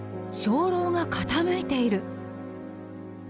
鐘楼が傾いている。